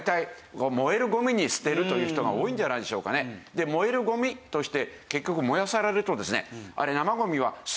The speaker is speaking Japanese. で燃えるゴミとして結局燃やされるとですね。